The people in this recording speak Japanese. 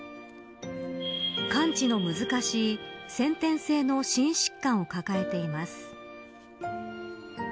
完治の難しい先天性の心疾患を抱えています。